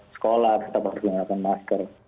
sekolah tetap harus menggunakan masker